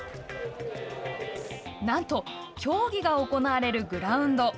なんと競技が行われるグラウンド。